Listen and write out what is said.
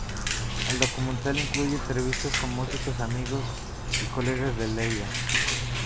El documental incluye entrevistas con músicos, amigos y colegas de Delia.